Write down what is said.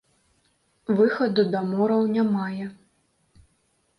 Выхаду да мораў не мае.